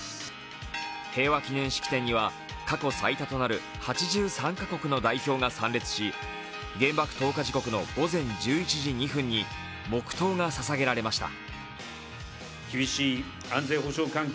平和祈念式典には過去最多となる８３カ国の代表が参列し原爆投下時刻の午前１１時２分に黙祷がささげられました。